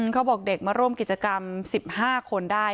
เขาบอกเด็กมาร่วมกิจกรรม๑๕คนได้